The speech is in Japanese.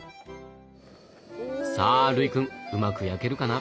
さあ琉くんうまく焼けるかな？